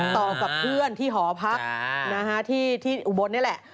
ต่อกับเพื่อนที่หอพักที่อุบลนี่แหละ